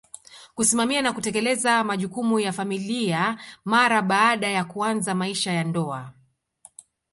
kusimamia na kutekeleza majukumu ya familia mara baada ya kuanza maisha ya ndoa